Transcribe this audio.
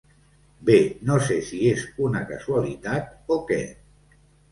Bé, no sé si és una casualitat o què.